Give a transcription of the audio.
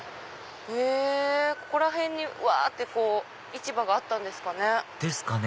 ここら辺にわって市場があったんですかね？